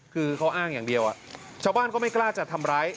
คือเขาอ้างอย่างเดียวชาวบ้านก็ไม่กล้าจะทำร้าย